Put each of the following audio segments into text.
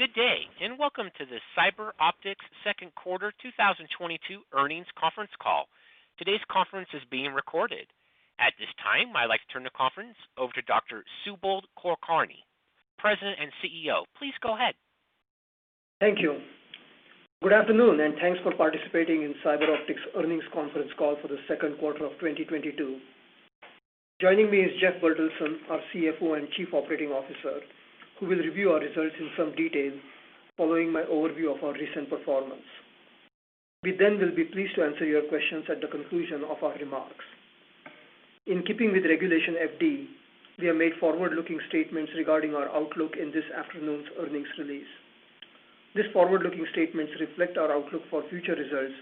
Good day, and welcome to the CyberOptics second quarter 2022 earnings conference call. Today's conference is being recorded. At this time, I'd like to turn the conference over to Dr. Subodh Kulkarni, President and CEO. Please go ahead. Thank you. Good afternoon, and thanks for participating in CyberOptics earnings conference call for the second quarter of 2022. Joining me is Jeff Bertelsen, our CFO and Chief Operating Officer, who will review our results in some detail following my overview of our recent performance. We then will be pleased to answer your questions at the conclusion of our remarks. In keeping with Regulation FD, we have made forward-looking statements regarding our outlook in this afternoon's earnings release. These forward-looking statements reflect our outlook for future results,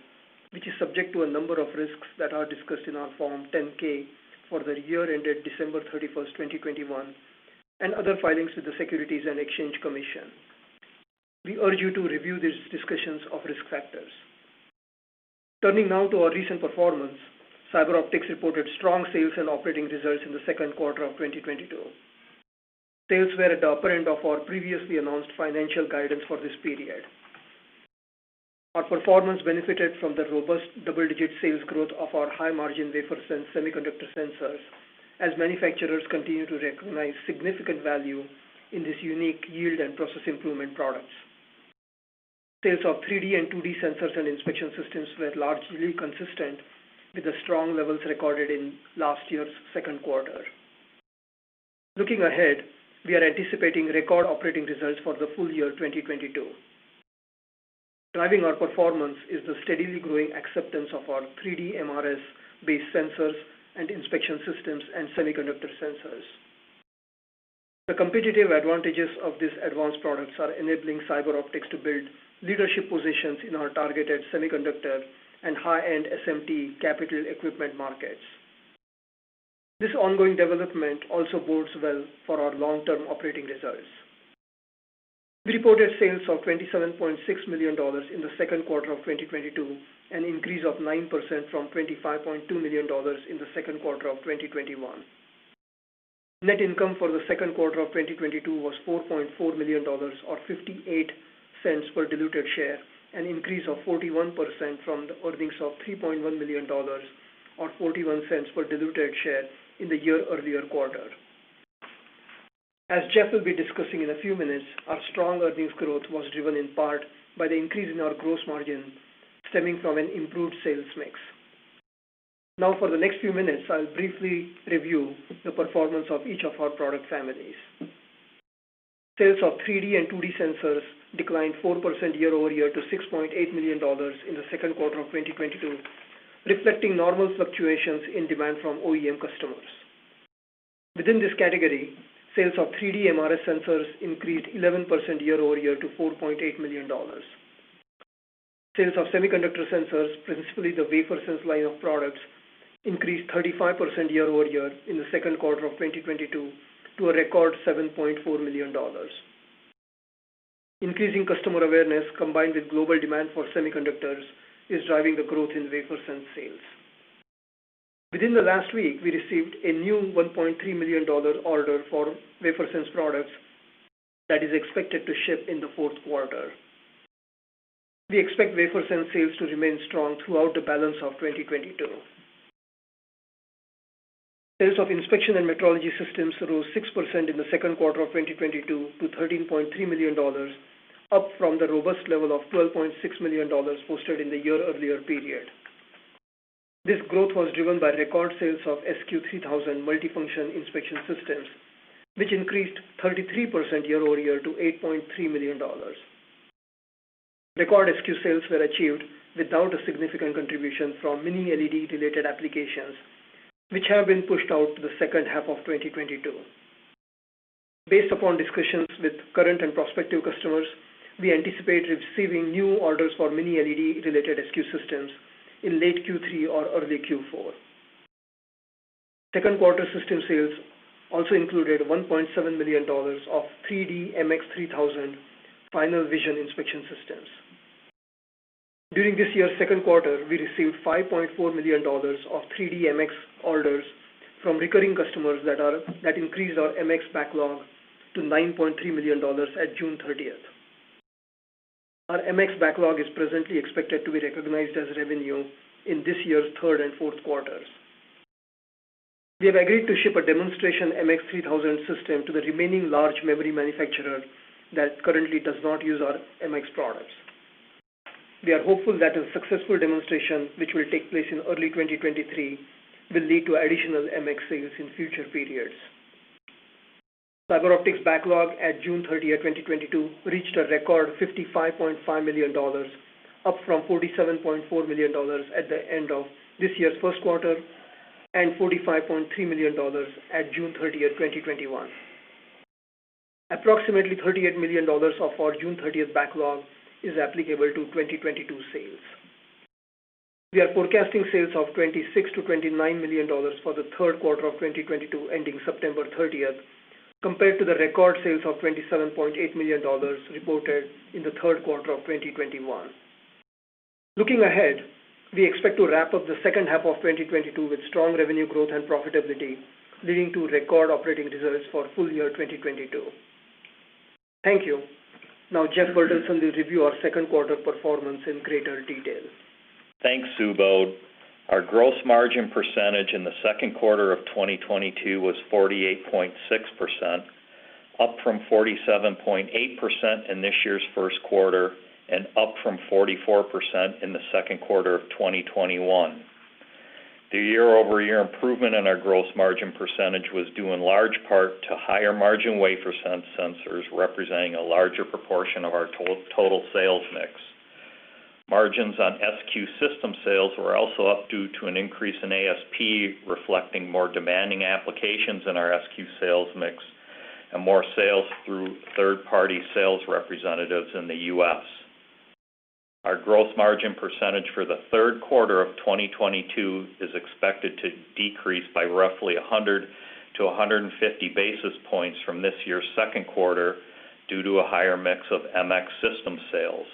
which is subject to a number of risks that are discussed in our Form 10-K for the year ended December 31, 2021, and other filings with the Securities and Exchange Commission. We urge you to review these discussions of risk factors. Turning now to our recent performance, CyberOptics reported strong sales and operating results in the second quarter of 2022. Sales were at the upper end of our previously announced financial guidance for this period. Our performance benefited from the robust double-digit sales growth of our high-margin WaferSense semiconductor sensors as manufacturers continue to recognize significant value in these unique yield and process improvement products. Sales of 3D and 2D sensors and inspection systems were largely consistent with the strong levels recorded in last year's second quarter. Looking ahead, we are anticipating record operating results for the full year 2022. Driving our performance is the steadily growing acceptance of our 3D MRS-based sensors and inspection systems and semiconductor sensors. The competitive advantages of these advanced products are enabling CyberOptics to build leadership positions in our targeted semiconductor and high-end SMT capital equipment markets. This ongoing development also bodes well for our long-term operating results. We reported sales of $27.6 million in the second quarter of 2022, an increase of 9% from $25.2 million in the second quarter of 2021. Net income for the second quarter of 2022 was $4.4 million or $0.58 per diluted share, an increase of 41% from the earnings of $3.1 million or $0.41 per diluted share in the year earlier quarter. As Jeff will be discussing in a few minutes, our strong earnings growth was driven in part by the increase in our gross margin stemming from an improved sales mix. Now, for the next few minutes, I'll briefly review the performance of each of our product families. Sales of 3D and 2D sensors declined 4% year-over-year to $6.8 million in the second quarter of 2022, reflecting normal fluctuations in demand from OEM customers. Within this category, sales of 3D MRS sensors increased 11% year-over-year to $4.8 million. Sales of semiconductor sensors, principally the WaferSense line of products, increased 35% year-over-year in the second quarter of 2022 to a record $7.4 million. Increasing customer awareness combined with global demand for semiconductors is driving the growth in WaferSense sales. Within the last week, we received a new $1.3 million order for WaferSense products that is expected to ship in the fourth quarter. We expect WaferSense sales to remain strong throughout the balance of 2022. Sales of inspection and metrology systems rose 6% in the second quarter of 2022 to $13.3 million, up from the robust level of $12.6 million posted in the year earlier period. This growth was driven by record sales of SQ3000 multifunction inspection systems, which increased 33% year-over-year to $8.3 million. Record SQ sales were achieved without a significant contribution from Mini LED related applications, which have been pushed out to the second half of 2022. Based upon discussions with current and prospective customers, we anticipate receiving new orders for Mini LED related SQ systems in late Q3 or early Q4. Second quarter system sales also included $1.7 million of 3D MX3000 final vision inspection systems. During this year's second quarter, we received $5.4 million of 3D MX orders from recurring customers that increased our MX backlog to $9.3 million at June 30. Our MX backlog is presently expected to be recognized as revenue in this year's third and fourth quarters. We have agreed to ship a demonstration MX3000 system to the remaining large memory manufacturer that currently does not use our MX products. We are hopeful that a successful demonstration, which will take place in early 2023, will lead to additional MX sales in future periods. CyberOptics' backlog at June 30, 2022, reached a record $55.5 million, up from $47.4 million at the end of this year's first quarter and $45.3 million at June 30, 2021. Approximately $38 million of our June 30 backlog is applicable to 2022 sales. We are forecasting sales of $26 million-$29 million for the third quarter of 2022 ending September 30 compared to the record sales of $27.8 million reported in the third quarter of 2021. Looking ahead, we expect to wrap up the second half of 2022 with strong revenue growth and profitability, leading to record operating reserves for full year 2022. Thank you. Now, Jeff Bertelsen will review our second quarter performance in greater detail. Thanks, Subodh. Our gross margin percentage in the second quarter of 2022 was 48.6%, up from 47.8% in this year's first quarter and up from 44% in the second quarter of 2021. The year-over-year improvement in our gross margin percentage was due in large part to higher margin WaferSense sensors, representing a larger proportion of our total sales mix. Margins on SQ system sales were also up due to an increase in ASP, reflecting more demanding applications in our SQ sales mix and more sales through third-party sales representatives in the U.S. Our gross margin percentage for the third quarter of 2022 is expected to decrease by roughly 100 to 150 basis points from this year's second quarter due to a higher mix of MX system sales.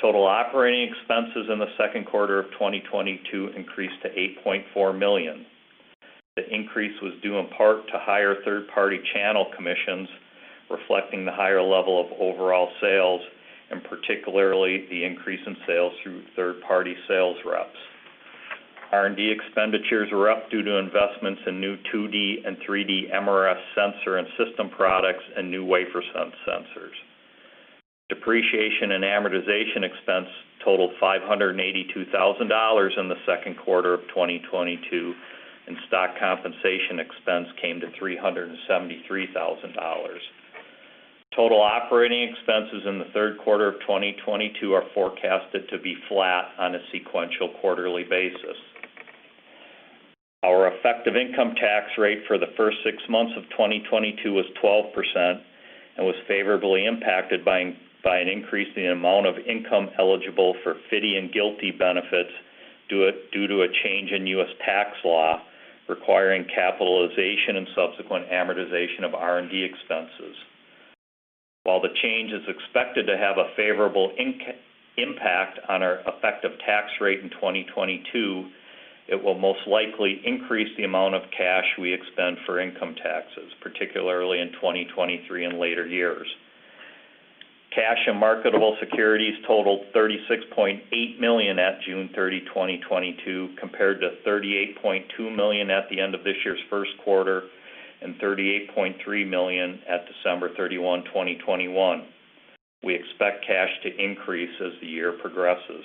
Total operating expenses in the second quarter of 2022 increased to $8.4 million. The increase was due in part to higher third party channel commissions, reflecting the higher level of overall sales, and particularly the increase in sales through third party sales reps. R&D expenditures were up due to investments in new 2D and 3D MRS sensor and system products and new WaferSense sensors. Depreciation and amortization expense totaled $582,000 in the second quarter of 2022, and stock compensation expense came to $373,000. Total operating expenses in the third quarter of 2022 are forecasted to be flat on a sequential quarterly basis. Our effective income tax rate for the first six months of 2022 was 12%, and was favorably impacted by an increase in the amount of income eligible for FDII and GILTI benefits due to a change in U.S. tax law requiring capitalization and subsequent amortization of R&D expenses. While the change is expected to have a favorable impact on our effective tax rate in 2022, it will most likely increase the amount of cash we expend for income taxes, particularly in 2023 and later years. Cash and marketable securities totaled $36.8 million at June 30, 2022, compared to $38.2 million at the end of this year's first quarter, and $38.3 million at December 31, 2021. We expect cash to increase as the year progresses.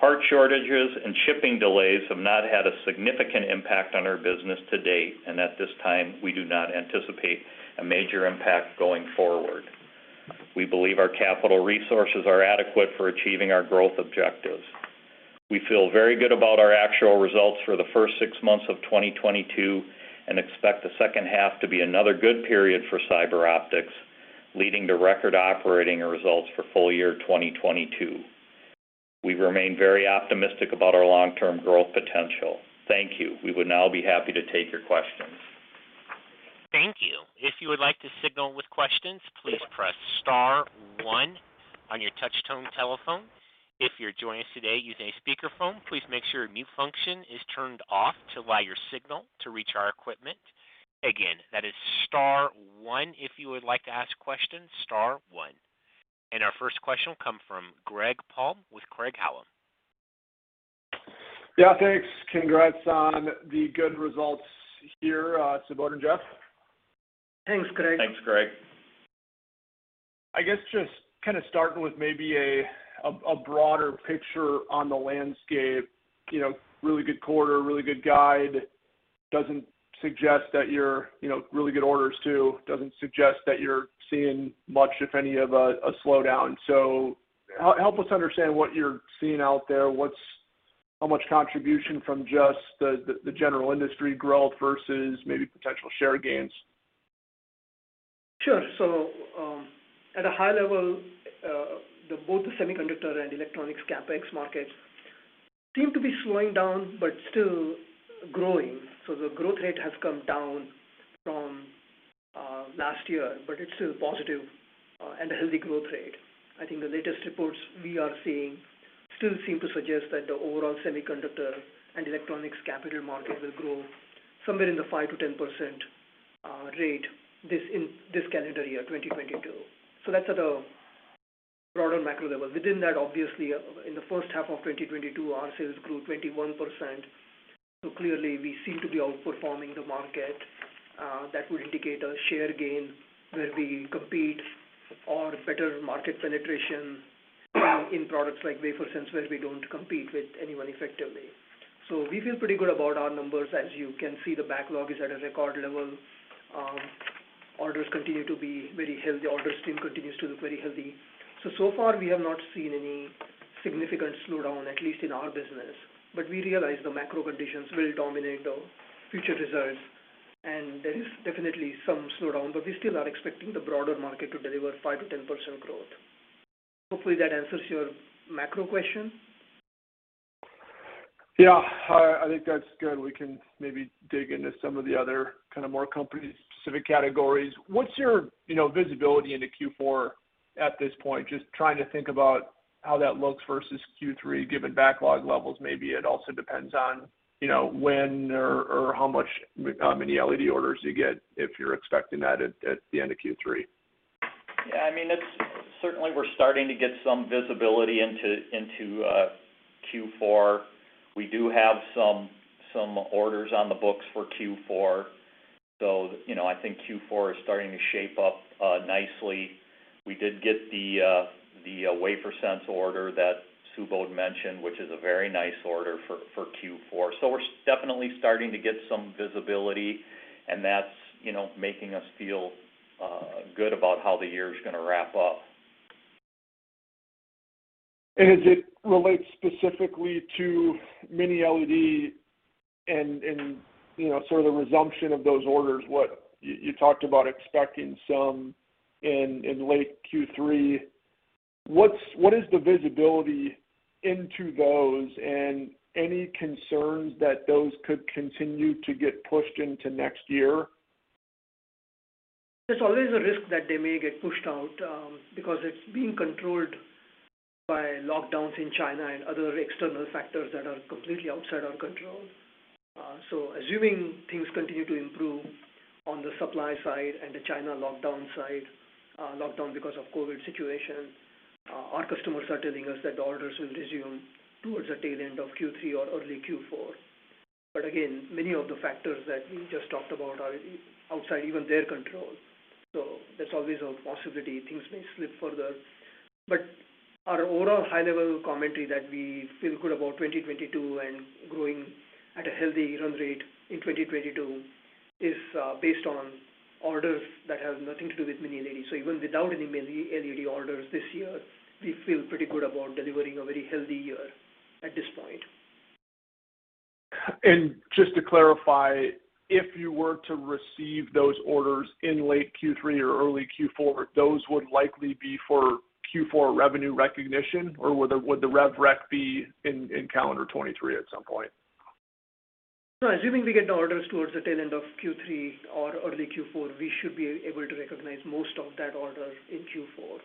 Part shortages and shipping delays have not had a significant impact on our business to date. At this time, we do not anticipate a major impact going forward. We believe our capital resources are adequate for achieving our growth objectives. We feel very good about our actual results for the first six months of 2022, and expect the second half to be another good period for CyberOptics, leading to record operating results for full year 2022. We remain very optimistic about our long-term growth potential. Thank you. We would now be happy to take your questions. Thank you. If you would like to signal with questions, please press star one on your touch tone telephone. If you're joining us today using a speaker phone, please make sure your mute function is turned off to allow your signal to reach our equipment. Again, that is star one if you would like to ask questions, star one. Our first question will come from Greg Palm with Craig-Hallum. Yeah, thanks. Congrats on the good results here, Subodh and Jeff. Thanks, Greg. Thanks, Greg. I guess, just kinda starting with maybe a broader picture on the landscape. You know, really good quarter, really good guide. You know, really good orders too. Doesn't suggest that you're seeing much, if any of a slowdown. Help us understand what you're seeing out there. How much contribution from just the general industry growth versus maybe potential share gains? Sure. At a high level, both the semiconductor and electronics CapEx markets seem to be slowing down but still growing. The growth rate has come down from last year, but it's still positive and a healthy growth rate. I think the latest reports we are seeing still seem to suggest that the overall semiconductor and electronics capital market will grow somewhere in the 5%-10% rate this calendar year, 2022. That's at a broader macro level. Within that, obviously, in the first half of 2022, our sales grew 21%. Clearly, we seem to be outperforming the market. That would indicate a share gain where we compete or better market penetration in products like wafer sensors, we don't compete with anyone effectively. We feel pretty good about our numbers. As you can see, the backlog is at a record level. Orders continue to be very healthy. Order stream continues to look very healthy. So far we have not seen any significant slowdown, at least in our business, but we realize the macro conditions will dominate our future results, and there is definitely some slowdown. We still are expecting the broader market to deliver 5%-10% growth. Hopefully, that answers your macro question. Yeah, I think that's good. We can maybe dig into some of the other kind of more company-specific categories. What's your, you know, visibility into Q4 at this point? Just trying to think about how that looks versus Q3, given backlog levels. Maybe it also depends on, you know, when or how many LED orders you get, if you're expecting that at the end of Q3. Yeah. I mean, it's certainly we're starting to get some visibility into Q4. We do have some orders on the books for Q4. You know, I think Q4 is starting to shape up nicely. We did get the WaferSense order that Subodh mentioned, which is a very nice order for Q4. We're definitely starting to get some visibility, and that's, you know, making us feel good about how the year is gonna wrap up. As it relates specifically to Mini LED and you know, sort of the resumption of those orders, what you talked about expecting some in late Q3. What is the visibility into those, and any concerns that those could continue to get pushed into next year? There's always a risk that they may get pushed out, because it's being controlled by lockdowns in China and other external factors that are completely outside our control. Assuming things continue to improve on the supply side and the China lockdown side, lockdown because of COVID situation, our customers are telling us that the orders will resume towards the tail end of Q3 or early Q4. Again, many of the factors that we just talked about are outside even their control. There's always a possibility things may slip further. Our overall high level commentary that we feel good about 2022 and growing at a healthy run rate in 2022 is based on orders that have nothing to do with Mini LED. Even without any Mini LED orders this year, we feel pretty good about delivering a very healthy year at this point. Just to clarify, if you were to receive those orders in late Q3 or early Q4, those would likely be for Q4 revenue recognition or would the rev rec be in calendar 2023 at some point? No, assuming we get the orders towards the tail end of Q3 or early Q4, we should be able to recognize most of that order in Q4,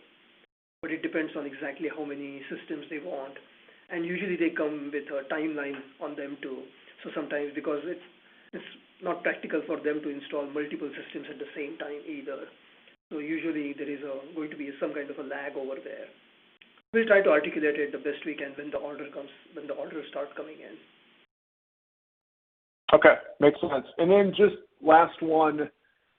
but it depends on exactly how many systems they want, and usually they come with a timeline on them too. Sometimes because it's not practical for them to install multiple systems at the same time either. Usually there is going to be some kind of a lag over there. We'll try to articulate it the best we can when the orders start coming in. Okay. Makes sense. Just last one,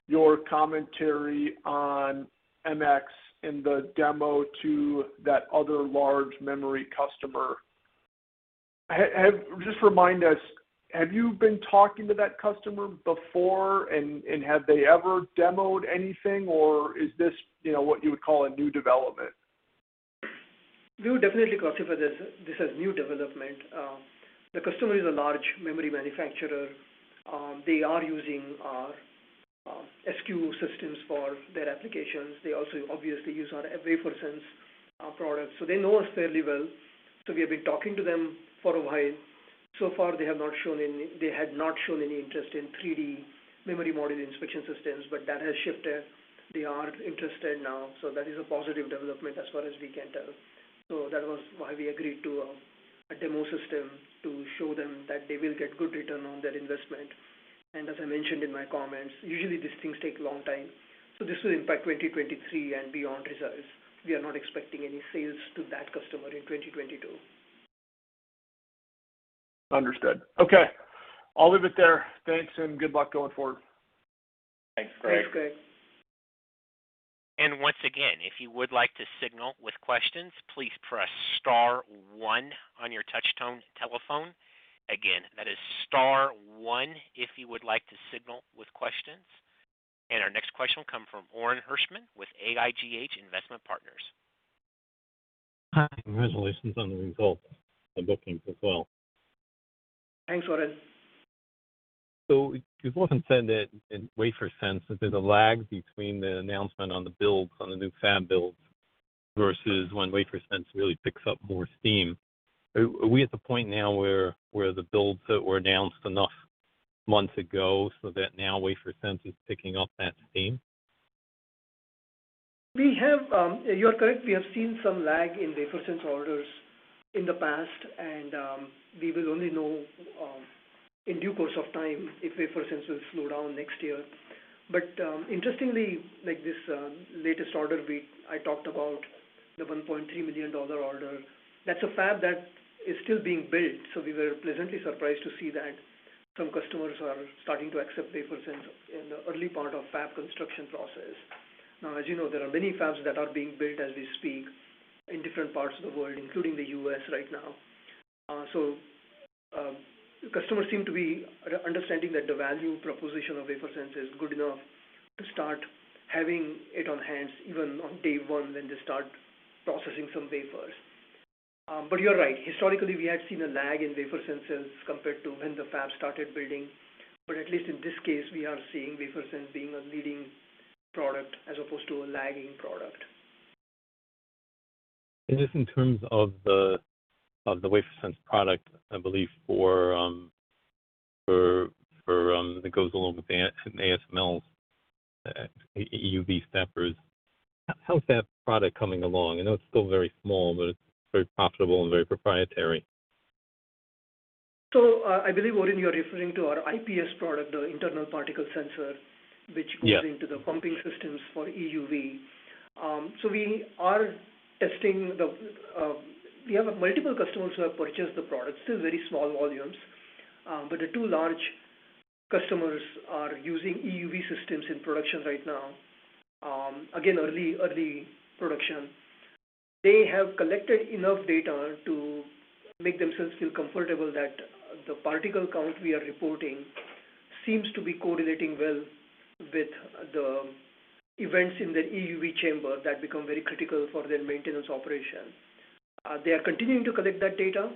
your commentary on MX in the demo to that other large memory customer. Just remind us, have you been talking to that customer before and have they ever demoed anything, or is this, you know, what you would call a new development? We would definitely classify this as new development. The customer is a large memory manufacturer. They are using our SQ systems for their applications. They also obviously use our WaferSense product, so they know us fairly well. We have been talking to them for a while. So far, they had not shown any interest in 3D memory module inspection systems, but that has shifted. They are interested now, so that is a positive development as far as we can tell. That was why we agreed to a demo system to show them that they will get good return on their investment. As I mentioned in my comments, usually these things take a long time, so this will impact 2023 and beyond results. We are not expecting any sales to that customer in 2022. Understood. Okay. I'll leave it there. Thanks, and good luck going forward. Thanks, Greg. Thanks, Greg. Once again, if you would like to signal with questions, please press star one on your touch tone telephone. Again, that is star one if you would like to signal with questions. Our next question will come from Orin Hirschman with AIGH Investment Partners. Hi, congratulations on the results and bookings as well. Thanks, Orin. You've often said that in WaferSense, there's a lag between the announcement on the builds, on the new fab builds, versus when WaferSense really picks up more steam. Are we at the point now where the builds that were announced enough months ago so that now WaferSense is picking up that steam? We have. You are correct. We have seen some lag in WaferSense orders in the past, and we will only know in due course of time if WaferSense will slow down next year. Interestingly, like this latest order I talked about, the $1.3 million order, that's a fab that is still being built. We were pleasantly surprised to see that some customers are starting to accept WaferSense in the early part of fab construction process. Now, as you know, there are many fabs that are being built as we speak in different parts of the world, including the U.S. right now. Customers seem to be understanding that the value proposition of WaferSense is good enough to start having it on hand even on day one when they start processing some wafers. But you're right. Historically, we have seen a lag in WaferSense compared to when the fab started building. At least in this case, we are seeing WaferSense being a leading product as opposed to a lagging product. Just in terms of the WaferSense product, I believe that goes along with the ASML's EUV steppers. How's that product coming along? I know it's still very small, but it's very profitable and very proprietary. I believe, Orin, you're referring to our IPS product, the In-Line Particle Sensor. Yeah. Which goes into the pumping systems for EUV. We have multiple customers who have purchased the product, still very small volumes. The two large customers are using EUV systems in production right now. Again, early production. They have collected enough data to make themselves feel comfortable that the particle count we are reporting seems to be correlating well with the events in the EUV chamber that become very critical for their maintenance operation. They are continuing to collect that data,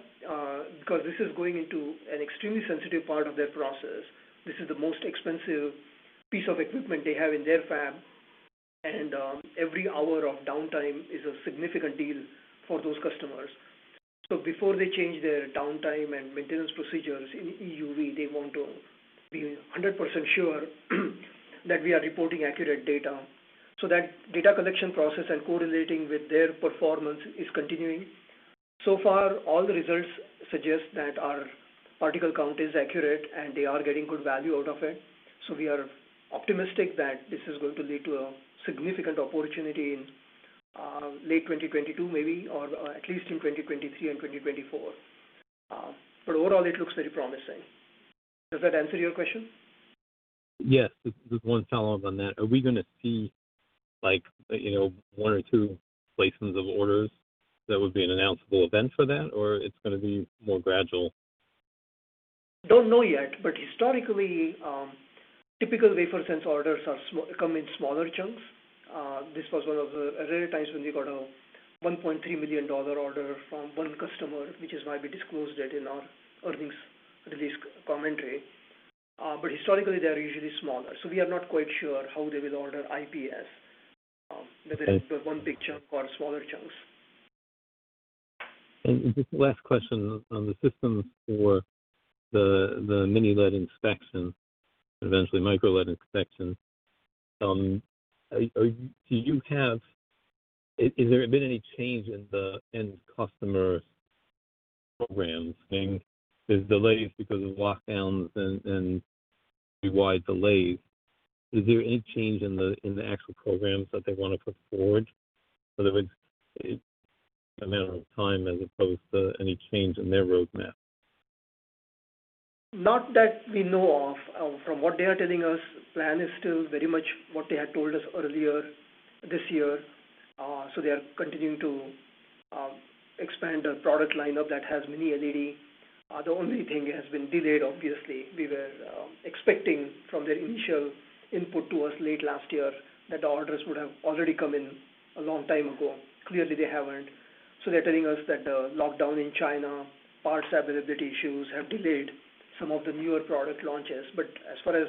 because this is going into an extremely sensitive part of their process. This is the most expensive piece of equipment they have in their fab, and every hour of downtime is a significant deal for those customers. Before they change their downtime and maintenance procedures in EUV, they want to be 100% sure that we are reporting accurate data. That data collection process and correlating with their performance is continuing. So far, all the results suggest that our particle count is accurate, and they are getting good value out of it. We are optimistic that this is going to lead to a significant opportunity in late 2022 maybe, or at least in 2023 and 2024. Overall, it looks very promising. Does that answer your question? Yes. Just one follow-up on that. Are we gonna see like, you know, one or two placements of orders that would be an announceable event for that, or it's gonna be more gradual? Don't know yet, but historically, typical WaferSense orders come in smaller chunks. This was one of the rare times when we got a $1.3 million order from one customer, which is why we disclosed it in our earnings release commentary, but historically, they're usually smaller, so we are not quite sure how they will order IPS, whether it's one big chunk or smaller chunks. Just last question on the systems for the Mini LED inspection, eventually Micro LED inspection. Has there been any change in the end customer's programs? I mean, there's delays because of lockdowns and wide delays. Is there any change in the actual programs that they wanna put forward for the amount of time as opposed to any change in their roadmap? Not that we know of. From what they are telling us, plan is still very much what they had told us earlier this year. They are continuing to expand their product lineup that has Mini LED. The only thing has been delayed, obviously. We were expecting from their initial input to us late last year that the orders would have already come in a long time ago. Clearly, they haven't. They're telling us that the lockdown in China, parts availability issues have delayed some of the newer product launches. As far as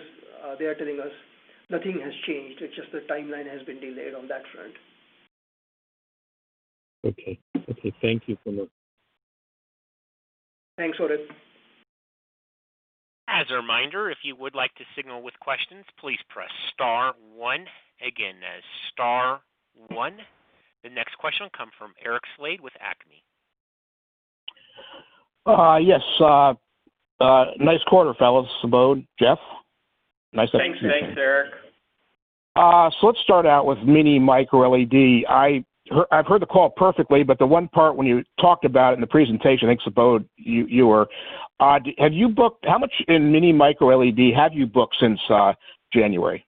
they are telling us, nothing has changed. It's just the timeline has been delayed on that front. Okay. Okay, thank you Subodh. Thanks, Orin. As a reminder, if you would like to signal with questions, please press star one. Again, that's star one. The next question will come from Eric Slade with Acme. Yes. Nice quarter, fellas. Subodh, Jeff. Nice to Thanks. Thanks, Eric. Let's start out with Mini/Micro LED. I've heard the call perfectly, but the one part when you talked about it in the presentation, I think, Subodh, you were. How much in Mini/Micro LED have you booked since January?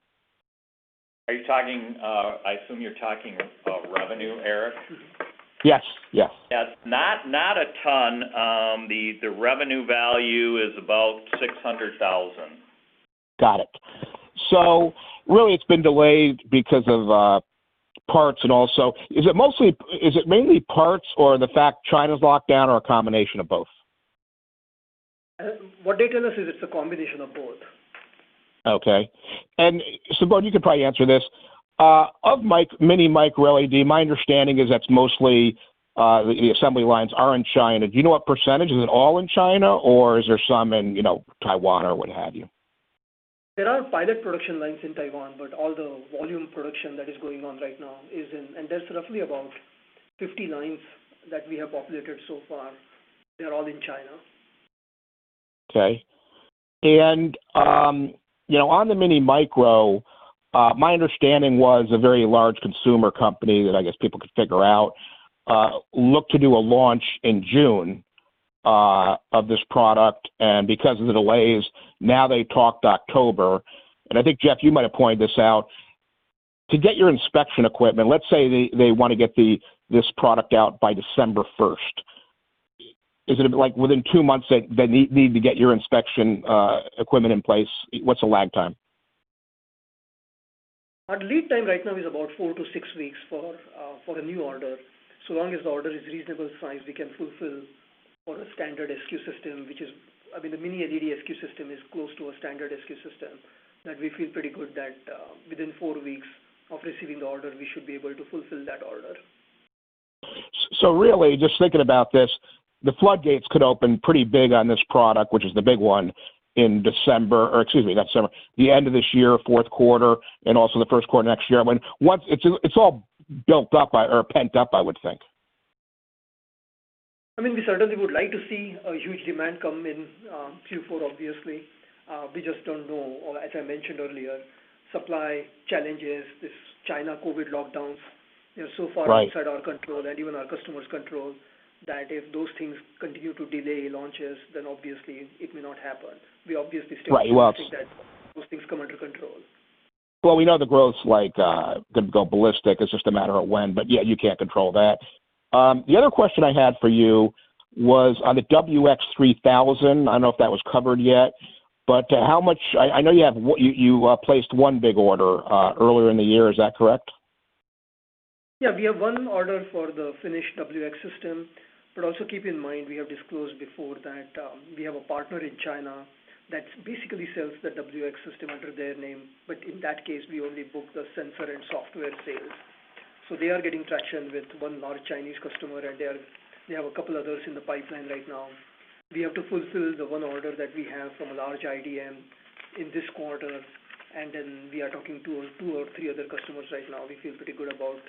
Are you talking? I assume you're talking about revenue, Eric? Yes. Yes. Yeah. Not a ton. The revenue value is about $600,000. Got it. Really it's been delayed because of parts and also. Is it mainly parts or the fact China's locked down or a combination of both? What they tell us is it's a combination of both. Okay. Subodh, you could probably answer this. Of Mini/Micro LED, my understanding is that's mostly the assembly lines are in China. Do you know what percentage? Is it all in China, or is there some in, you know, Taiwan or what have you? There are pilot production lines in Taiwan, but all the volume production that is going on right now is in and there's roughly about 50 lines that we have populated so far. They're all in China. Okay. You know, on the mini micro, my understanding was a very large consumer company that I guess people could figure out looked to do a launch in June of this product. Because of the delays, now they talked October. I think, Jeff, you might have pointed this out. To get your inspection equipment, let's say they want to get this product out by December first. Is it like within two months they need to get your inspection equipment in place? What's the lag time? Our lead time right now is about four-six weeks for a new order. As long as the order is reasonable size, we can fulfill. For a standard SQ system, which is, I mean, the Mini LED SQ system is close to a standard SQ system that we feel pretty good that, within four weeks of receiving the order, we should be able to fulfill that order. Really just thinking about this, the floodgates could open pretty big on this product, which is the big one, or excuse me, not December, the end of this year, fourth quarter, and also the first quarter next year. I mean, it's all built up, or pent up, I would think. I mean, we certainly would like to see a huge demand come in, Q4 obviously, we just don't know. As I mentioned earlier, supply challenges, this China COVID lockdowns, they're so far. Right. Outside our control and even our customers' control, that if those things continue to delay launches, then obviously it may not happen. We obviously still- Right. Well. Hope that those things come under control. Well, we know the growth like could go ballistic. It's just a matter of when, but yeah, you can't control that. The other question I had for you was on the WX3000. I don't know if that was covered yet, but how much - I know you placed one big order earlier in the year. Is that correct? Yeah. We have one order for the finished WX system, but also keep in mind we have disclosed before that, we have a partner in China that basically sells the WX system under their name. In that case, we only book the sensor and software sales. They are getting traction with one large Chinese customer, and they have a couple of others in the pipeline right now. We have to fulfill the one order that we have from a large IDM in this quarter, and then we are talking to two or three other customers right now. We feel pretty good about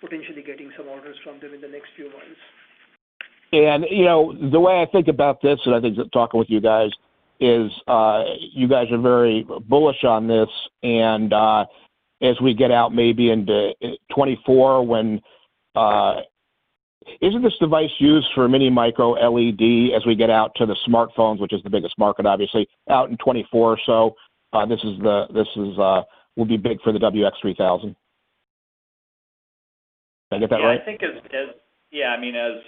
potentially getting some orders from them in the next few months. You know, the way I think about this and I think talking with you guys is, you guys are very bullish on this and, as we get out maybe into 2024. Isn't this device used for Mini/Micro LED as we get out to the smartphones, which is the biggest market, obviously, out in 2024? This will be big for the WX3000. Did I get that right? I mean, as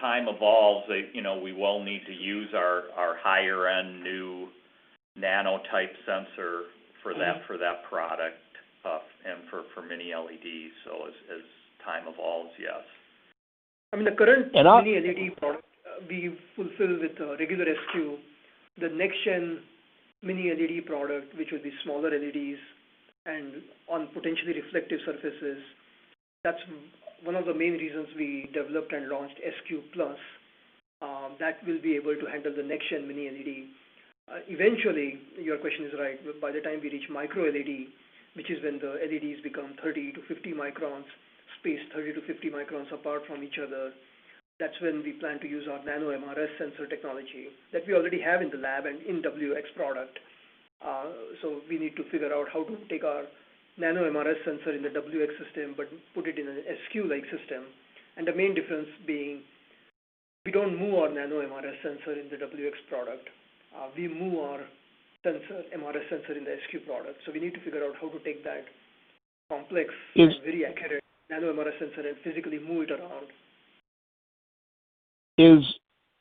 time evolves, they, you know, we will need to use our higher end new nano type sensor for that product, and for Mini LED. As time evolves, yes. I mean, the current Mini LED product, we fulfill with a regular SQ. The next gen Mini LED product, which would be smaller LEDs and on potentially reflective surfaces, that's one of the main reasons we developed and launched SQ Plus, that will be able to handle the next gen Mini LED. Eventually, your question is right. By the time we reach Micro LED, which is when the LEDs become 30-50 microns, spaced 30-50 microns apart from each other, that's when we plan to use our nano MRS sensor technology that we already have in the lab and in WX product. We need to figure out how to take our nano MRS sensor in the WX system but put it in an SQ-like system. The main difference being we don't move our NanoResolution MRS sensor in the WX product, we move our MRS sensor in the SQ product. We need to figure out how to take that complex and very accurate NanoResolution MRS sensor and physically move it around.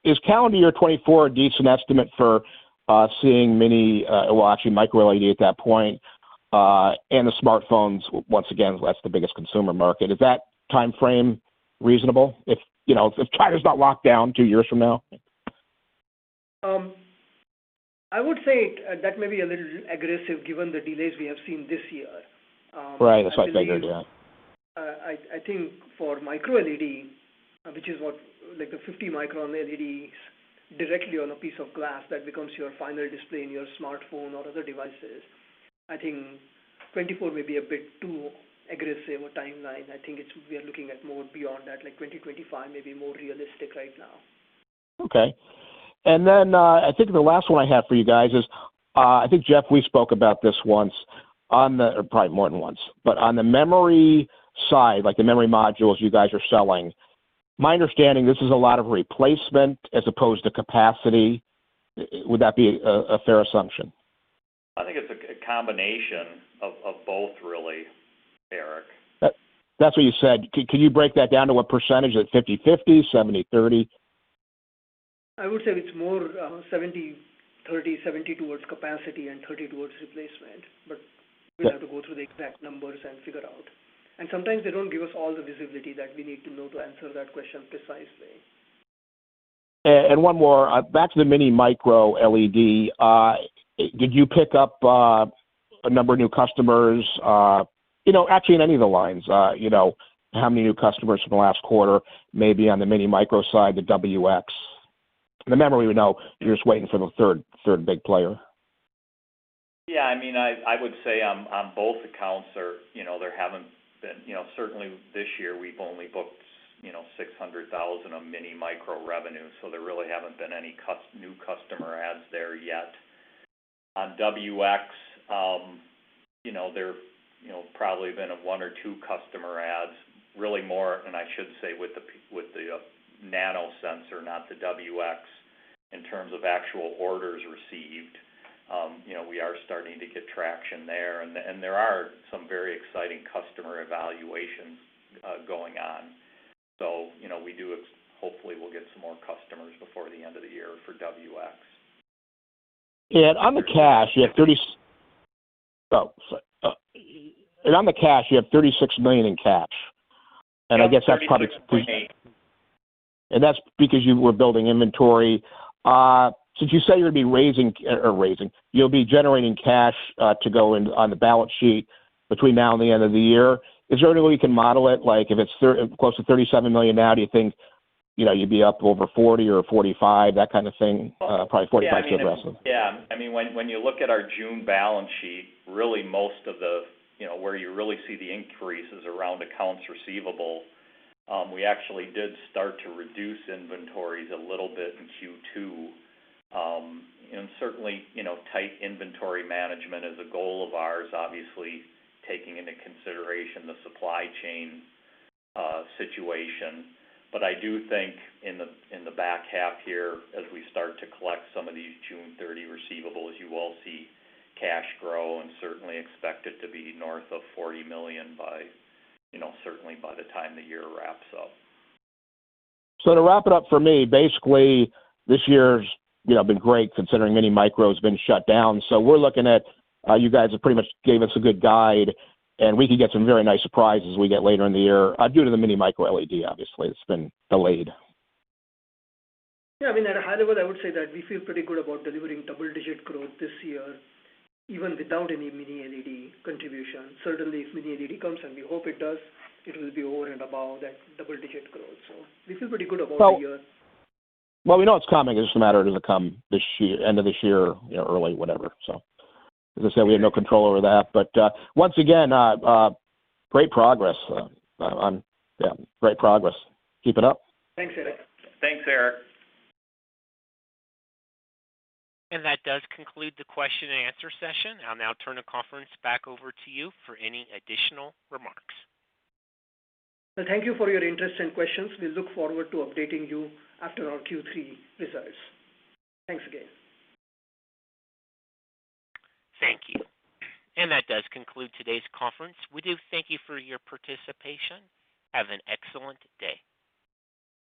Is calendar year 2024 a decent estimate for seeing mini, well, actually Micro LED at that point, and the smartphones once again, that's the biggest consumer market. Is that timeframe reasonable? If you know, if China's not locked down two years from now. I would say that may be a little aggressive given the delays we have seen this year. Right. That's what I figured, yeah. I think for Micro LED, which is what like the 50-micron LEDs directly on a piece of glass that becomes your final display in your smartphone or other devices, I think 2024 may be a bit too aggressive a timeline. I think we are looking at more beyond that, like 2025 may be more realistic right now. Okay. I think the last one I have for you guys is, I think, Jeff, we spoke about this once, or probably more than once. On the memory side, like the memory modules you guys are selling, my understanding, this is a lot of replacement as opposed to capacity. Would that be a fair assumption? I think it's a combination of both really, Eric. That, that's what you said. Can you break that down to a percentage, like 50/50, 70/30? I would say it's more, 70/30. 70 towards capacity and 30 towards replacement. But we have to go through the exact numbers and figure out. Sometimes they don't give us all the visibility that we need to know to answer that question precisely. One more. Back to the Mini/Micro LED. Did you pick up a number of new customers, you know, actually in any of the lines? You know, how many new customers in the last quarter, maybe on the Mini/Micro side, the WX. The memory, we know you're just waiting for the third big player. I mean, I would say on both accounts, you know, there haven't been. You know, certainly this year we've only booked $600,000 on Mini/Micro revenue, so there really haven't been any new customer adds there yet. On WX, you know, there probably been one or two customer adds really more, and I should say with the nano sensor, not the WX, in terms of actual orders received. You know, we are starting to get traction there, and there are some very exciting customer evaluations going on. You know, hopefully we'll get some more customers before the end of the year for WX. On the cash, you have $36 million in cash. I guess that's probably. Yeah, 36.8. That's because you were building inventory. Since you say you'll be raising, you'll be generating cash to go in on the balance sheet between now and the end of the year. Is there any way we can model it? Like, if it's close to $37 million now, do you think, you know, you'd be up over $40 or $45, that kind of thing? Probably $45 too aggressive. Yeah. I mean, when you look at our June balance sheet, really most of the, you know, where you really see the increase is around accounts receivable. We actually did start to reduce inventories a little bit in Q2. Certainly, you know, tight inventory management is a goal of ours, obviously, taking into consideration the supply chain situation, but I do think in the back half here, as we start to collect some of these June 30 receivables, you will see cash grow and certainly expect it to be north of $40 million by, you know, certainly by the time the year wraps up. To wrap it up for me, basically this year's, you know, been great considering Mini/Micro has been shut down. We're looking at, you guys have pretty much gave us a good guide, and we can get some very nice surprises we get later in the year, due to the Mini/Micro LED, obviously. It's been delayed. Yeah. I mean, at a high level, I would say that we feel pretty good about delivering double-digit growth this year, even without any Mini LED contribution. Certainly, if Mini LED comes, and we hope it does, it will be over and above that double-digit growth. We feel pretty good about the year. Well, we know it's coming. It's just a matter of does it come this year, end of this year, you know, early, whatever? As I said, we have no control over that. Once again, great progress. Keep it up. Thanks, Eric. Thanks, Eric. That does conclude the question and answer session. I'll now turn the conference back over to you for any additional remarks. Well, thank you for your interest and questions. We look forward to updating you after our Q3 results. Thanks again. Thank you. That does conclude today's conference. We do thank you for your participation. Have an excellent day.